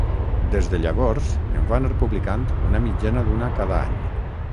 Des de llavors en va anar publicant una mitjana d'una cada any.